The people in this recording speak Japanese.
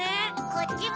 こっちも。